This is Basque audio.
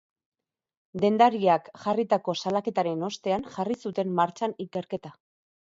Dendariak jarritako salaketaren ostean jarri zuten martxan ikerketa.